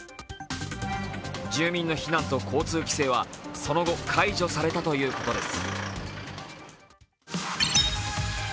住民の避難と交通規制はその後、解除されたということです。